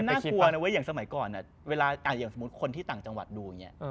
มันน่ากลัวเนอะด้วยอย่างสมัยก่อนอย่างคือคนที่ต่างจังหวัดดูเนี่ย